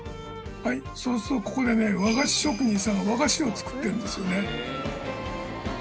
そうするとここでね和菓子職人さんが和菓子を作ってるんですよね。